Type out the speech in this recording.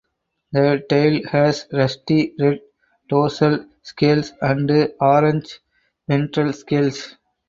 The tail has rusty red dorsal scales and orange ventral scales.